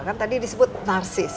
kan tadi disebut narsis